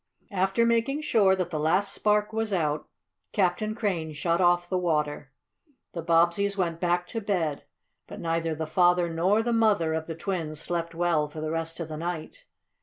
After making sure that the last spark was out, Captain Crane shut off the water. The Bobbseys went back to bed, but neither the father nor the mother of the twins slept well the rest of the night.